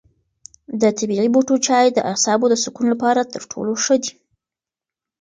د طبیعي بوټو چای د اعصابو د سکون لپاره تر ټولو ښه دی.